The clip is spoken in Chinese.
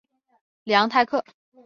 里昂泰克。